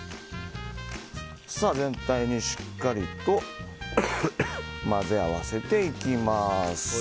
全体にしっかりと混ぜ合わせていきます。